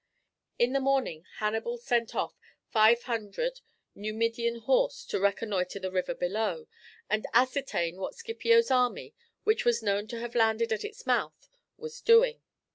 In the morning Hannibal sent off five hundred Numidian horse to reconnoitre the river below, and ascertain what Scipio's army, which was known to have landed at its mouth, was doing.